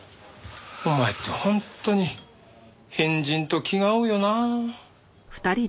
お前って本当に変人と気が合うよな。